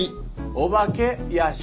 お化け屋敷。